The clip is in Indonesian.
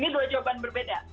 ini dua jawaban berbeda